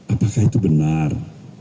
apakah itu benar